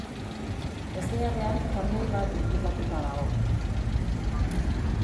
Ezbeharrean kamioi bat inplikatuta dago.